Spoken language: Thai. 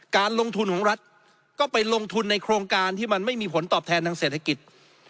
การลงทุนของรัฐก็ไปลงทุนในโครงการที่มันไม่มีผลตอบแทนทางเศรษฐกิจ